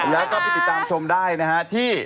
แล้วก็ไปติดตามชมได้นะฮะที่